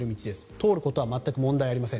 通ることは全く問題ありません。